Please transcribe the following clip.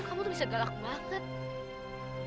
kamu tuh bisa galak banget